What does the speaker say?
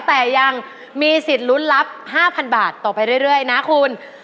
แต่ยังมีสิทธิ์ลุ้นรับ๕๐๐บาทต่อไปเรื่อยนะคุณ